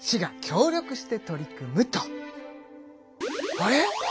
あれ！？